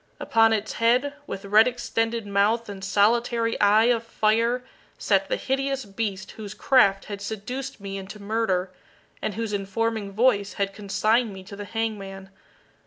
Upon its head, with red extended mouth and solitary eye of fire, sat the hideous beast whose craft had seduced me into murder, and whose informing voice had consigned me to the hangman.